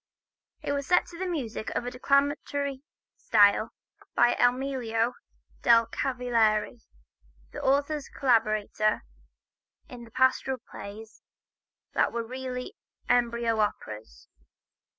It was set to music of a declamatory style by Emilio del Cavalieri, the author's collaborator in the pastoral plays that were really embryo operas.